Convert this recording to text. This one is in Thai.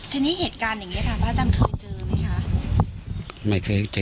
ทีนี้เหตุการณ์อย่างนี้พระอาจจะเคยเจอไหม